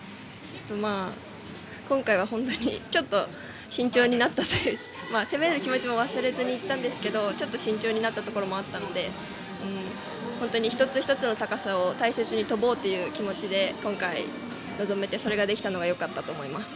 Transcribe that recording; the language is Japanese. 今回は本当に攻める気持ちも忘れずにいったんですがちょっと慎重になったところもあったので一つ一つの高さを大切に跳ぼうという気持ちで今回臨めてそれができたのがよかったと思います。